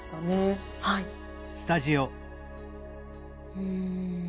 うん。